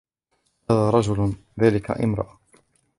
هذا رجل ، ذلك امرأة.